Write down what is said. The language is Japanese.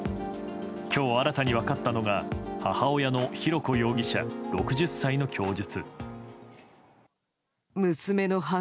今日、新たに分かったのが母親の浩子容疑者、６０歳の供述。